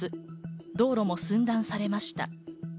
道路も寸断されました。